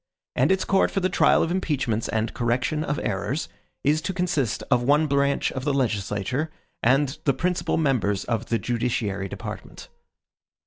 And its court for the trial of impeachments and correction of errors is to consist of one branch of the legislature and the principal members of the judiciary department.